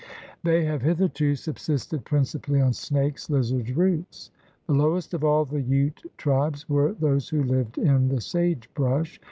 They have hitherto subsisted principally on snakes, liz ards, roots." The lowest of all the Ute tribes were those who lived in the sage brush.